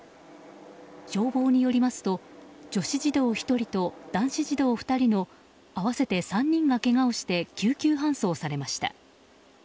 消防によりますと女子児童１人と男子児童２人の合わせて３人がけがをして救急搬送されました。